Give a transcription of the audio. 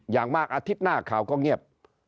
อย่างมากอาทิตย์หน้าข่าวก็เงียบ